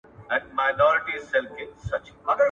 له خيال پردازۍ څخه بايد په کلکه ډډه وشي.